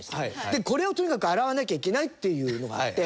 これをとにかく洗わなきゃいけないっていうのがあって。